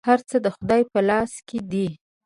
هر څه د خدای په لاس کي دي .